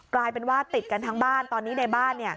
กลายเป็นว่าติดกันทั้งบ้านตอนนี้ในบ้าน